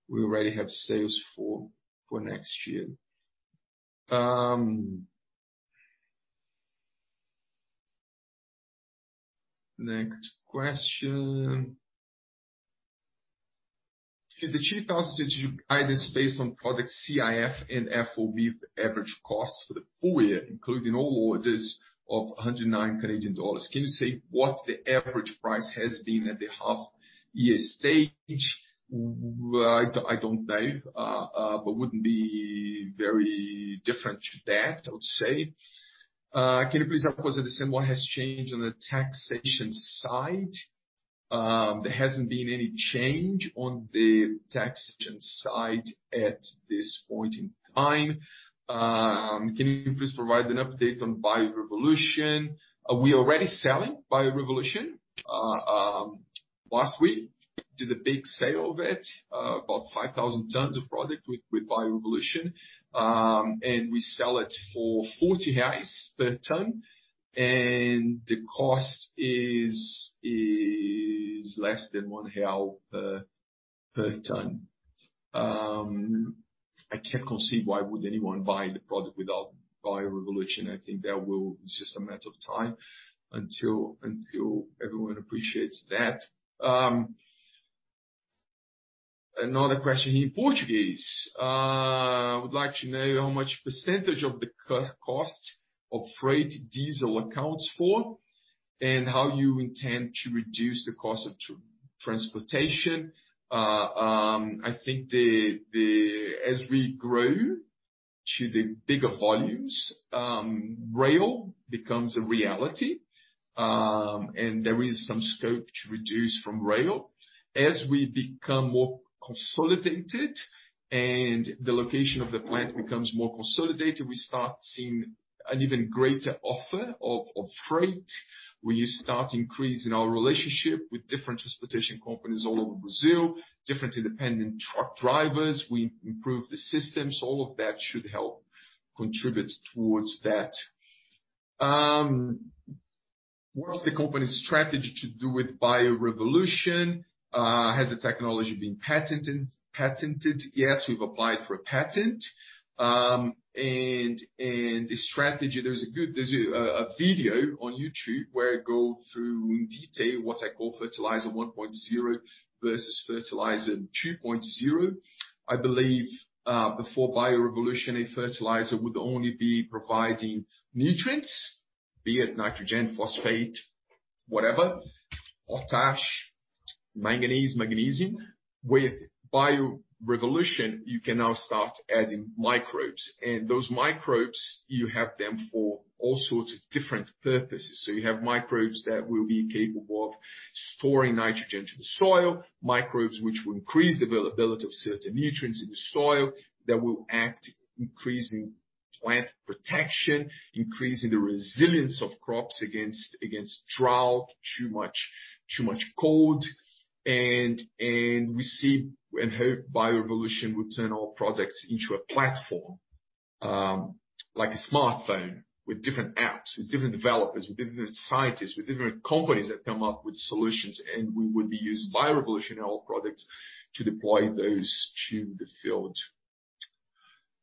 we already have sales for next year. Next question. The chief strategy guide is based on product CIF and FOB average costs for the full year, including all orders of 109 Canadian dollars. Can you say what the average price has been at the half year stage? I don't know. Wouldn't be very different to that, I would say. Can you please help us understand what has changed on the taxation side? There hasn't been any change on the taxation side at this point in time. Can you please provide an update on Bio Revolution? Are we already selling Bio Revolution? Last week did a big sale of it, about 5,000 tons of product with Bio Revolution. We sell it for 40 reais per ton, and the cost is less than 1 real per ton. I can't conceive why would anyone buy the product without Bio Revolution. I think that will. It's just a matter of time until everyone appreciates that. Another question in Portuguese. I would like to know how much percentage of the cost of freight diesel accounts for, and how you intend to reduce the cost of transportation. As we grow to bigger volumes, rail becomes a reality, and there is some scope to reduce from rail. As we become more consolidated and the location of the plant becomes more consolidated, we start seeing an even greater offer of freight. We start increasing our relationship with different transportation companies all over Brazil, different independent truck drivers. We improve the systems. All of that should help contribute towards that. What's the company's strategy to do with Bio Revolution? Has the technology been patented? Yes, we've applied for a patent. There's a video on YouTube where I go through in detail what I call fertilizer 1.0 versus fertilizer 2.0. I believe before Bio Revolution, a fertilizer would only be providing nutrients, be it nitrogen, phosphate, whatever, potash, manganese, magnesium. With Bio Revolution, you can now start adding microbes. Those microbes, you have them for all sorts of different purposes. You have microbes that will be capable of storing nitrogen to the soil, microbes which will increase the availability of certain nutrients in the soil that will act, increasing plant protection, increasing the resilience of crops against drought, too much cold. We see and hope Bio Revolution will turn our products into a platform, like a smartphone with different apps, with different developers, with different scientists, with different companies that come up with solutions, and we would be using Bio Revolution and our products to deploy those to the field.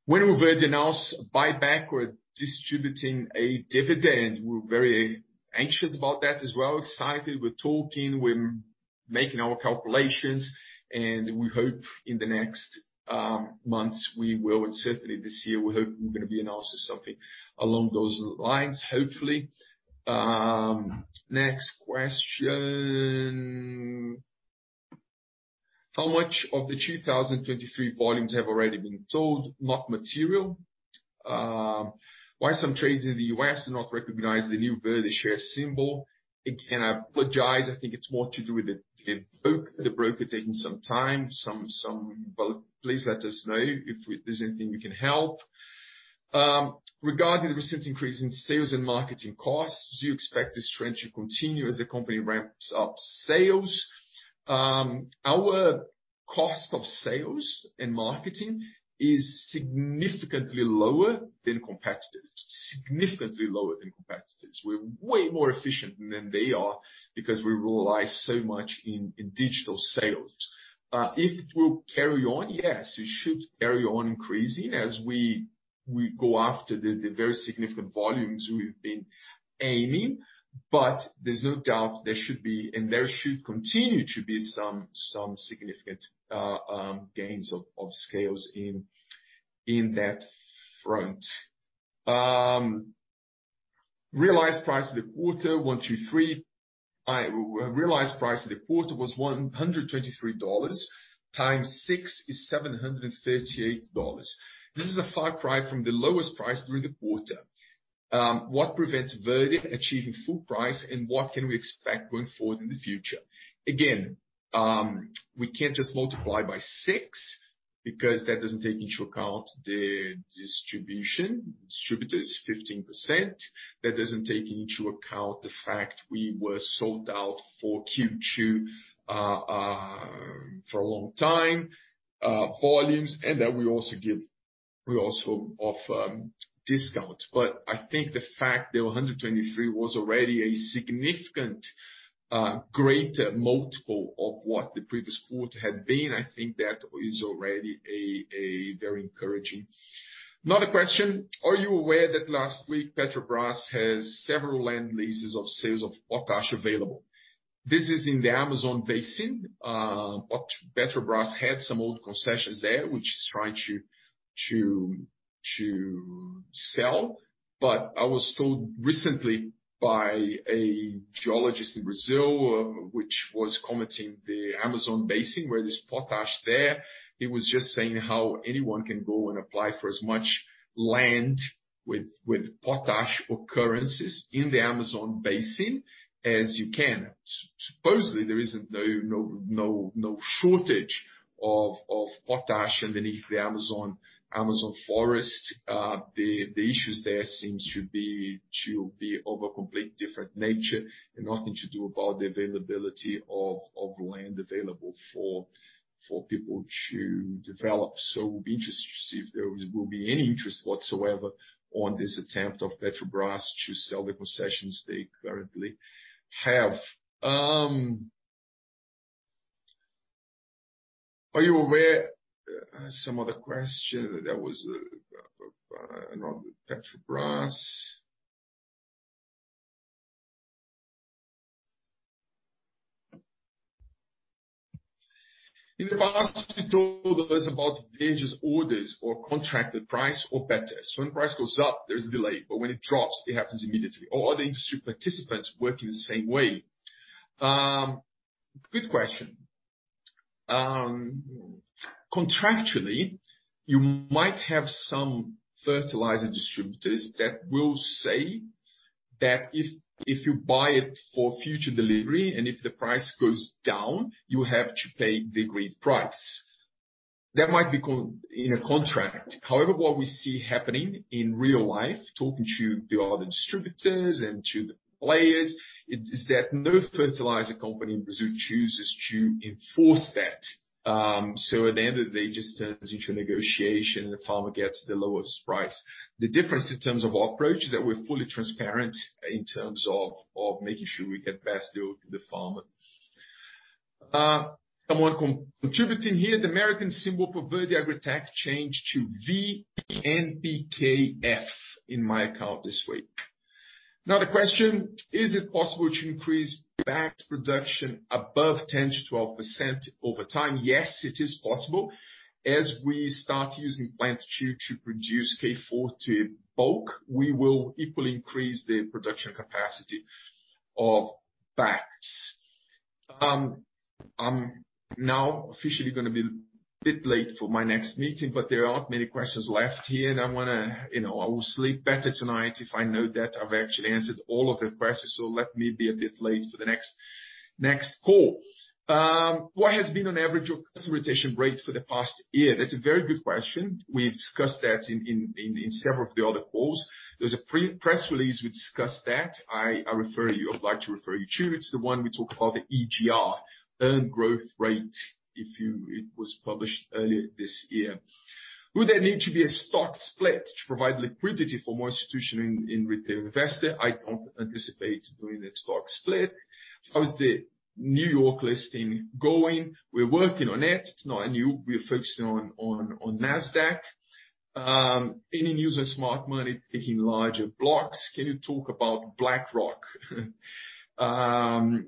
When will Verde announce buyback or distributing a dividend? We're very anxious about that as well, excited. We're talking, we're making our calculations, and we hope in the next months we will. Certainly this year we hope we're gonna be announced something along those lines, hopefully. Next question. How much of the 2023 volumes have already been sold? Not material. Why some trades in the U.S. do not recognize the new Verde share symbol? Again, I apologize. I think it's more to do with the broker taking some time. Please let us know if there's anything we can help. Regarding the recent increase in sales and marketing costs, do you expect this trend to continue as the company ramps up sales? Our cost of sales and marketing is significantly lower than competitors. We're way more efficient than they are because we rely so much in digital sales. If it will carry on, yes, it should carry on increasing as we go after the very significant volumes we've been aiming. There's no doubt there should be and there should continue to be some significant gains of scales in that front. Realized price of the quarter $123. Realized price of the quarter was $123x6 is $738. This is a far cry from the lowest price during the quarter. What prevents Verde achieving full price, and what can we expect going forward in the future? Again, we can't just multiply by six because that doesn't take into account the distribution, distributors 15%. That doesn't take into account the fact we were sold out for Q2 for a long time, volumes, and that we also offer discounts. I think the fact that 123 was already a significant greater multiple of what the previous quote had been, I think that is already a very encouraging. Another question. Are you aware that last week Petrobras has several land leases of sales of potash available? This is in the Amazon basin. Petrobras had some old concessions there, which it's trying to sell. I was told recently by a geologist in Brazil who was commenting on the Amazon basin, where there's potash there, he was just saying how anyone can go and apply for as much land with potash occurrences in the Amazon basin as you can. Supposedly, there is no shortage of potash underneath the Amazon forest. The issues there seem to be of a completely different nature and nothing to do with the availability of land available for people to develop. We'll be interested to see if there will be any interest whatsoever on this attempt of Petrobras to sell the concessions they currently have. Are you aware? Some other question. That was another Petrobras. In the past, you told us about the various orders or contracted price or better. When price goes up, there's a delay, but when it drops, it happens immediately. All the industry participants work in the same way. Good question. Contractually, you might have some fertilizer distributors that will say that if you buy it for future delivery and if the price goes down, you have to pay the agreed price. That might be contained in a contract. However, what we see happening in real life, talking to the other distributors and to the players, is that no fertilizer company in Brazil chooses to enforce that. At the end of the day, it just turns into a negotiation. The farmer gets the lowest price. The difference in terms of our approach is that we're fully transparent in terms of making sure we get passed through to the farmer. Someone contributing here, the American symbol for Verde Agritech changed to VNPKF in my account this week. Another question, is it possible to increase bags production above 10%-12% over time? Yes, it is possible. As we start using Plant Two to produce K40 bulk, we will equally increase the production capacity of bags. I'm now officially gonna be a bit late for my next meeting, but there aren't many questions left here, and I wanna. You know, I will sleep better tonight if I know that I've actually answered all of the questions. Let me be a bit late for the next call. What has been on average your customer retention rate for the past year? That's a very good question. We've discussed that in several of the other calls. There's a pre-press release, we discussed that. I would like to refer you to. It's the one we talk about the EGR, Earned Growth Rate. It was published earlier this year. Would there need to be a stock split to provide liquidity for more institutional and retail investors? I don't anticipate doing a stock split. How is the New York listing going? We're working on it. It's not new. We are focusing on Nasdaq. Any news on smart money taking larger blocks? Can you talk about BlackRock? No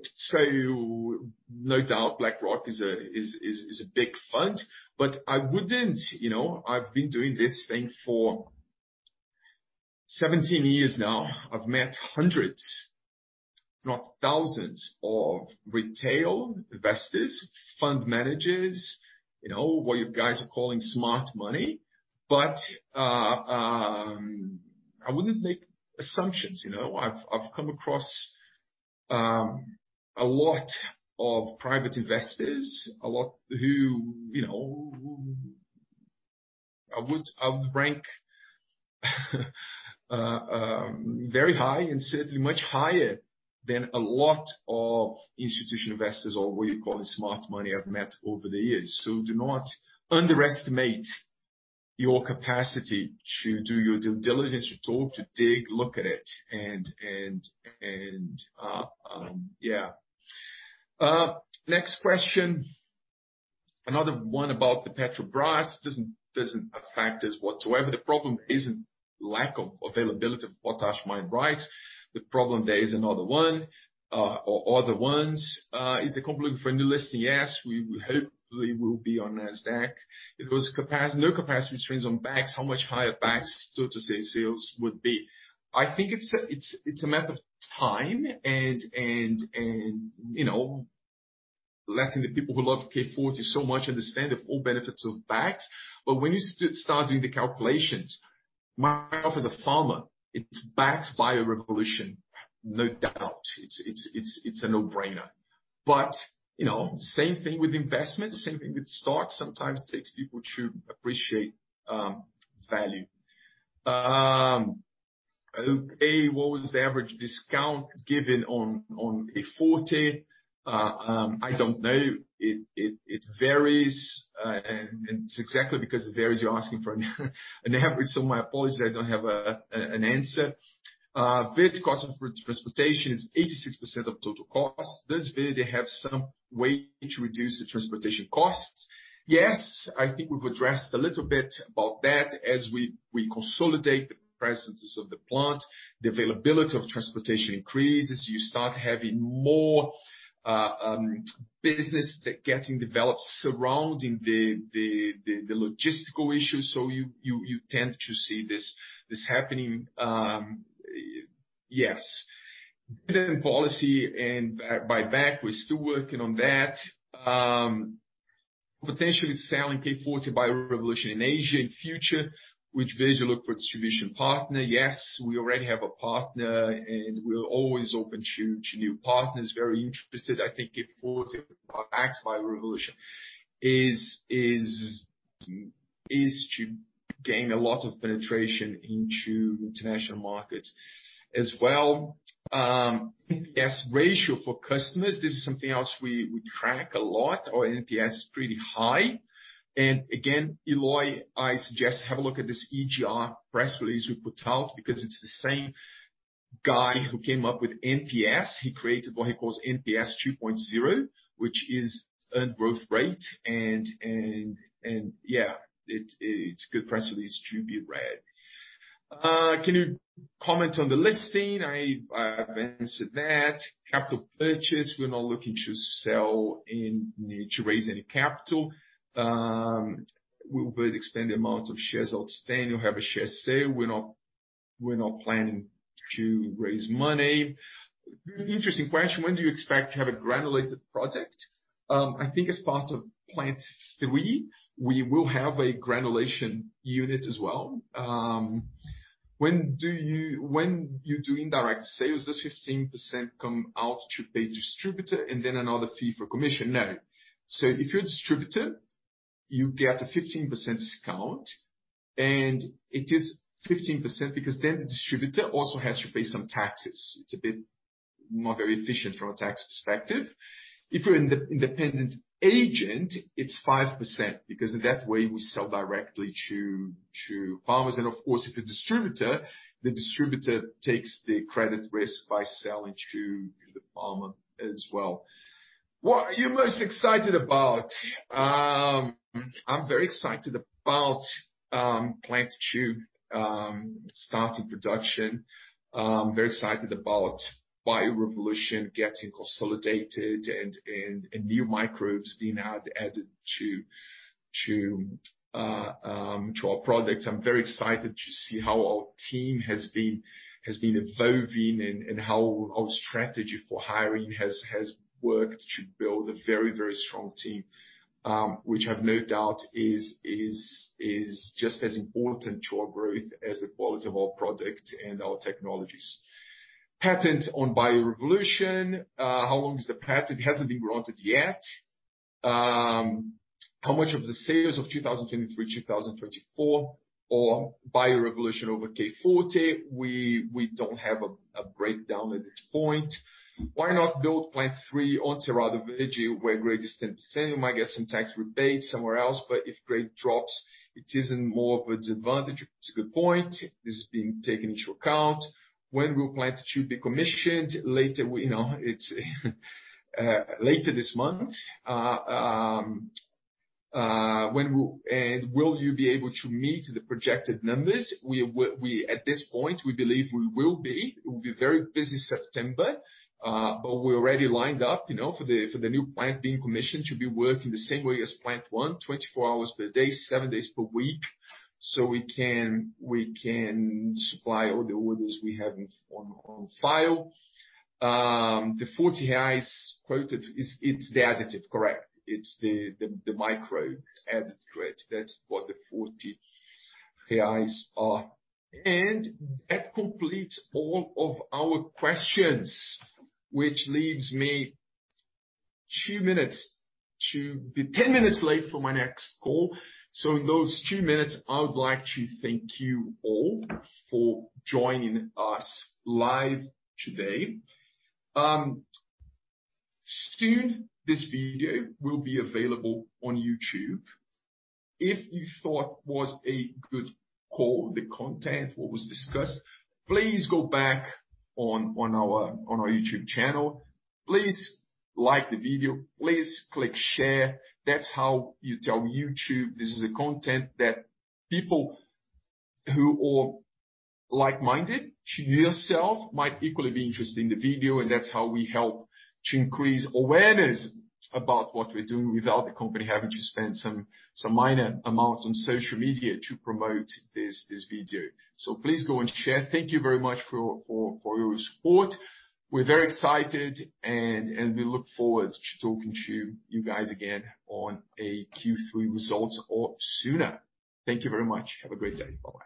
doubt BlackRock is a big fund, but I wouldn't. You know, I've been doing this thing for 17 years now. I've met hundreds, if not thousands, of retail investors, fund managers, you know, what you guys are calling smart money. I wouldn't make assumptions. You know, I've come across a lot of private investors, a lot who, you know, I would rank very high and certainly much higher than a lot of institutional investors or what you call the smart money I've met over the years. Do not underestimate your capacity to do your due diligence, to talk, to dig, look at it and yeah. Next question. Another one about the Petrobras. Doesn't affect us whatsoever. The problem isn't lack of availability of potash mine rights. The problem there is another one or other ones. Is the company looking for a new listing? Yes. We hopefully will be on Nasdaq. If it was no capacity restraints on bags, how much higher bags door-to-door sales would be? I think it's a matter of time and you know, letting the people who K-Forte so much understand the full benefits of BAKS. But when you start doing the calculations, myself as a farmer, it's backed by Bio Revolution, no doubt. It's a no-brainer. But you know, same thing with investments, same thing with stocks, sometimes it takes people to appreciate value. What was the average discount given on K-Forte? I don't know. It varies. And it's exactly because it varies, you're asking for. My apologies, I don't have an answer. With cost of transportation is 86% of total cost, does Verde have some way to reduce the transportation costs? Yes. I think we've addressed a little bit about that as we consolidate the presence of the plant, the availability of transportation increases, you start having more business that getting developed surrounding the logistical issues. You tend to see this happening, yes. Current policy and buyback, we're still working on that. Potentially K-Forte bio Revolution in Asia in future, which Verde look for distribution partner. Yes, we already have a partner, and we're always open to new partners. Very interested. I K-Forte bio Revolution is to gain a lot of penetration into international markets as well. NPS ratio for customers, this is something else we track a lot. Our NPS is pretty high. Again, Eloy, I suggest have a look at this EGR press release we put out because it's the same guy who came up with NPS. He created what he calls NPS 2.0, which is earned growth rate. Yeah, it's a good press release to be read. Can you comment on the listing? I've answered that. Capital purchase, we're not looking to sell and to raise any capital. We will expand the amount of shares outstanding. You have a share sale. We're not planning to raise money. Interesting question. When do you expect to have a granulation project? I think as part of Plant Three, we will have a granulation unit as well. When you do indirect sales, does 15% come out to pay distributor and then another fee for commission? No. If you're a distributor, you get a 15% discount, and it is 15% because then the distributor also has to pay some taxes. It's a bit not very efficient from a tax perspective. If you're an independent agent, it's 5%, because in that way we sell directly to farmers. Of course, if a distributor, the distributor takes the credit risk by selling to the farmer as well. What are you most excited about? I'm very excited about Plant Two starting production. Very excited about Bio Revolution getting consolidated and new microbes being added to our products. I'm very excited to see how our team has been evolving and how our strategy for hiring has worked to build a very strong team, which I've no doubt is just as important to our growth as the quality of our product and our technologies. Patent on Bio Revolution, how long is the patent? It hasn't been granted yet. How much of the sales of 2023, 2024 or Bio Revolution over K-Forte, we don't have a breakdown at this point. Why not build Plant Three on Cerrado Verde where grade is 10%? You might get some tax rebates somewhere else, but if grade drops, it isn't more of a disadvantage. It's a good point. This is being taken into account. When will Plant Two be commissioned? Later, you know, it's later this month. Will you be able to meet the projected numbers? At this point, we believe we will be. It will be very busy September, but we're already lined up, you know, for the new plant being commissioned to be working the same way as Plant One, 24 hours per day, seven days per week, so we can supply all the orders we have on file. The 40 HAIs quoted, it's the additive, correct. It's the micro additive. That's what the 40 HAIs are. That completes all of our questions, which leaves me two minutes to be 10 minutes late for my next call. In those two minutes, I would like to thank you all for joining us live today. Soon this video will be available on YouTube. If you thought was a good call, the content, what was discussed, please go back on our YouTube channel. Please like the video. Please click share. That's how you tell YouTube this is a content that people who are like-minded to yourself might equally be interested in the video. That's how we help to increase awareness about what we're doing without the company having to spend some minor amount on social media to promote this video. Please go and share. Thank you very much for your support. We're very excited and we look forward to talking to you guys again on a Q3 results or sooner. Thank you very much. Have a great day. Bye.